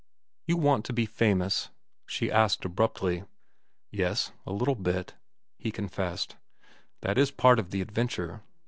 "You want to be famous?" she asked abruptly. "Yes, a little bit," he confessed. "That is part of the adventure.